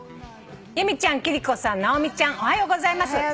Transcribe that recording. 「由美ちゃん貴理子さん直美ちゃんおはようございます」